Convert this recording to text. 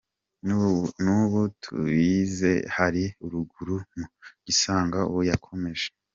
Nubu tuyisize hariya ruguru mu gishanga ubu yakamejeje.